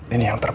ini yang terbaik